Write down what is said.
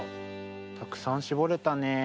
たくさんしぼれたね。